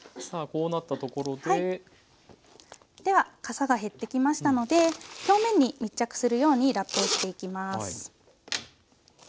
ではかさが減ってきましたので表面に密着するようにラップをしていきます。